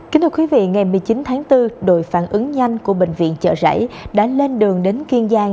kính thưa quý vị ngày một mươi chín tháng bốn đội phản ứng nhanh của bệnh viện chợ rẫy đã lên đường đến kiên giang